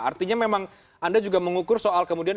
artinya memang anda juga mengukur soal kemudian